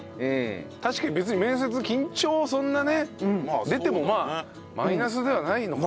確かに別に面接緊張そんなね出てもまあマイナスではないのか。